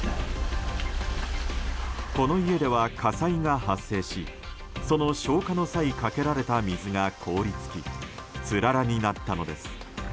この家では、火災が発生しその消火の際かけられた水が凍り付きつららになったのです。